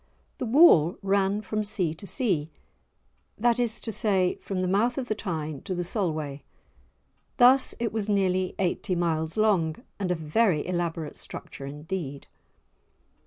The wall ran from sea to sea, that is to say, from the mouth of the Tyne to the Solway. Thus it was nearly eighty miles long, and a very elaborate structure indeed.